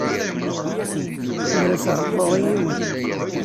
Ur as-reqquɣ i yiwen.